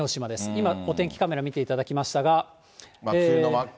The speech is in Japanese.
今、お天気カメラ見ていただきましたが。